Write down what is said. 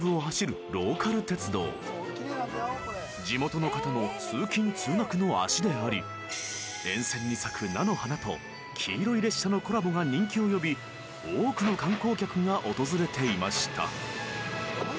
［地元の方の通勤通学の足であり沿線に咲く菜の花と黄色い列車のコラボが人気を呼び多くの観光客が訪れていました］